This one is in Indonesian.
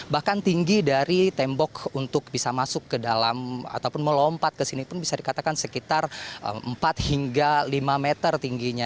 bahkan tinggi dari tembok untuk bisa masuk ke dalam ataupun melompat ke sini pun bisa dikatakan sekitar empat hingga lima meter tingginya